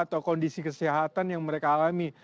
atau kondisi kesehatan yang mereka alami